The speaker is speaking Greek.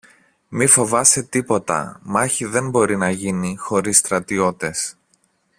Μη φοβάσαι τίποτα, μάχη δεν μπορεί να γίνει χωρίς στρατιώτες